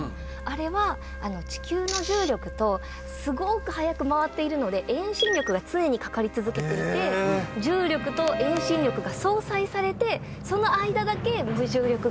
あれは地球の重力とすごーく速く回っているので遠心力が常にかかり続けてて重力と遠心力が相殺されてその間だけ無重力空間になるんです。